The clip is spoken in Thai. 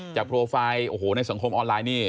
จากโปรไฟล์ในสังคมออนไลน์นี่